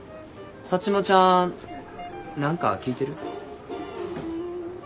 サッチモちゃん何か聞いてる？